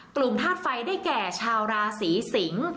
ธาตุไฟได้แก่ชาวราศีสิงศ์